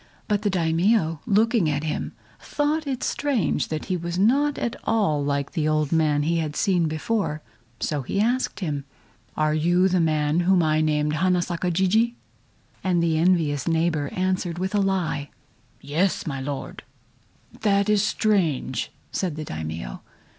But the Daimio looking at him, thought it strange that he was not at all like the old man he had seen before, so he asked him: "Are you the man whom I named Hana Saka Jijii?" And the envious neighbor answered with a lie: "Yes, my Lord!" "That is strange!" said the Daimio.